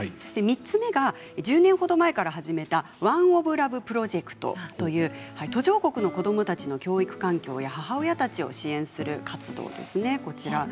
３つ目が１０年ほど前から始めたＯｎｅｏｆＬｏｖｅプロジェクト途上国の子どもたちの教育環境や母親たちを支援するものです。